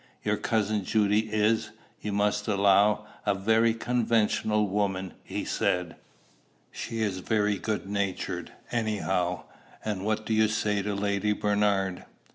"Your cousin Judy is, you must allow, a very conventional woman," he said. "She is very good natured, anyhow. And what do you say to Lady Bernard?"